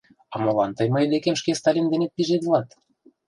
— А молан тый мый декем шке Сталин денет пижедылат?